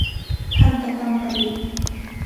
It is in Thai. ทันตกรรมประดิษฐ์